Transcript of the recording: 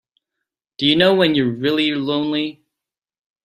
Do you know when you're really lonely?